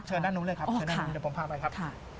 เชิญด้านนู้นเลยครับเดี๋ยวผมพาไปครับ